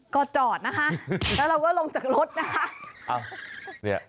ก็จอดนะคะแล้วเราก็ลงจากรถนะคะ